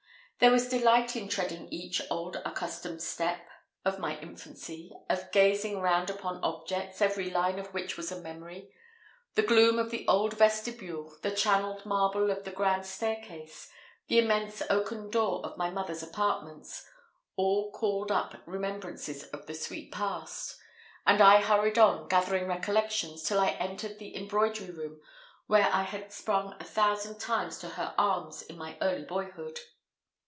There was delight in treading each old accustomed step of my infancy, of gazing round upon objects, every line of which was a memory. The gloom of the old vestibule, the channeled marble of the grand staircase, the immense oaken door of my mother's apartments, all called up remembrances of the sweet past; and I hurried on, gathering recollections, till I entered the embroidery room, where I had sprung a thousand times to her arms in my early boyhood.